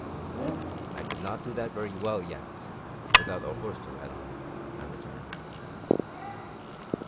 "I could not do that very well yet, without a horse to ride on," I returned.